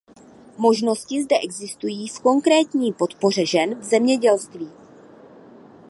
Možnosti zde existují v konkrétní podpoře žen v zemědělství.